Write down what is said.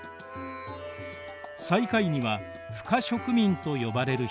最下位には不可触民と呼ばれる人たち。